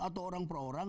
atau orang per orang